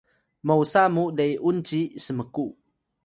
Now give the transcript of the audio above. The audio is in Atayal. mosa mu le’un ci smku